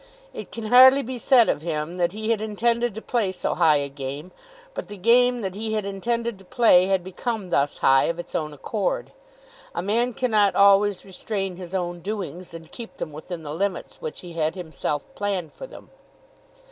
It can hardly be said of him that he had intended to play so high a game, but the game that he had intended to play had become thus high of its own accord. A man cannot always restrain his own doings and keep them within the limits which he had himself planned for them.